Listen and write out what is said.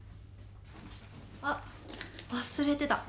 あっ忘れてた。